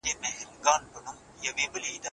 کمپيوټر رسنۍ ځواکمنوي.